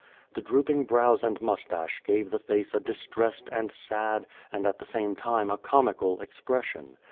The drooping brows and moustache gave the face a distressed and sad, and at the same time a comical expression.